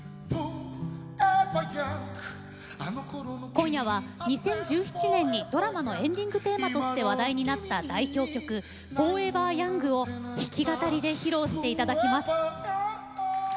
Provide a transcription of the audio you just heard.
今夜は２０１７年にドラマのエンディングテーマとして話題になった代表曲「ＦｏｒｅｖｅｒＹｏｕｎｇ」を弾き語りで披露していただきます。